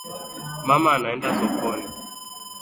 Mama anaenda sokoni.